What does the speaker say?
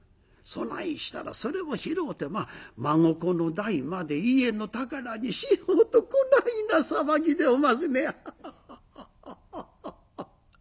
そないしたらそれを拾うて孫子の代まで家の宝にしようとこないな騒ぎでおますねやハハハハハハッ！」。